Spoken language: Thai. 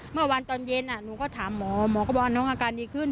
เมื่อวานตอนเย็นหนูก็ถามหมอหมอก็บอกว่าน้องอาการดีขึ้น